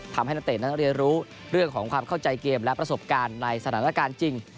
นักเตะนั้นเรียนรู้เรื่องของความเข้าใจเกมและประสบการณ์ในสถานการณ์จริง